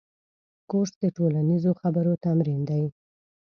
کورس د ټولنیزو خبرو تمرین دی.